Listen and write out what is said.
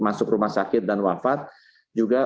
masuk rumah sakit dan wafat juga